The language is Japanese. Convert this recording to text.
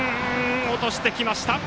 落としてきました。